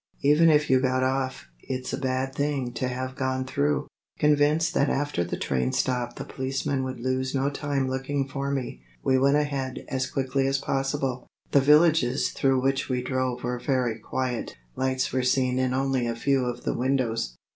Even if you got off it's a bad thing to have gone through." Convinced that after the train stopped the policeman would lose no time looking for me, we went ahead as quickly as possible. The villages through which we drove were very quiet; lights were seen in only a few of the windows.